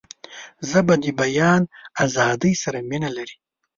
ژبه د بیان آزادۍ سره مینه لري